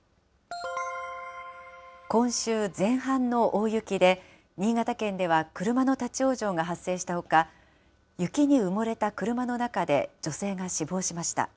今週前半の大雪で、新潟県では車の立往生が発生したほか、雪に埋もれた車の中で女性が死亡しました。